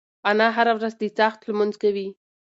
انا هره ورځ د څاښت لمونځ کوي.